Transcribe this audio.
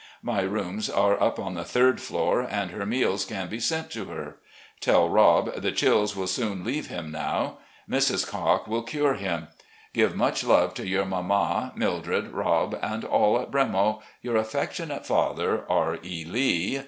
My rooms are up on the 3d floor and her meals can be sent to her. Tell Rob the chills will soon leave him now. Mrs. Cocke will cure him. Give much love to your mamma, Mildred, Rob, and all at 'Bremo.' " Your affectionate father, "R. E. Lee.